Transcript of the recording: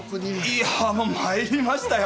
いやもう参りましたよ。